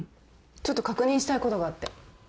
ちょっと確認したいことがあって。